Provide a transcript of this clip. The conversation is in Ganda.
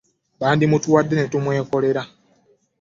Bandimutuwadde ne tumwekolerako.